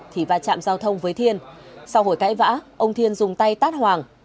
thì va chạm giao thông với thiên sau rồi cãi vã ông thiên dùng tay tát hoàng